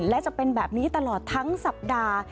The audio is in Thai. และจะเป็นแบบนี้ตลอดทั้งสัปดาห์